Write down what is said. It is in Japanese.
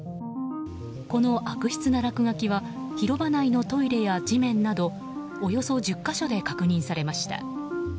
この悪質な落書きは広場内のトイレや地面などおよそ１０か所で確認されました。